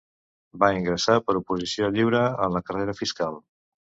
Va ingressar per oposició lliure en la carrera fiscal.